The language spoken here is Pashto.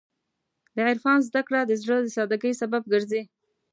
د عرفان زدهکړه د زړه د سادګۍ سبب ګرځي.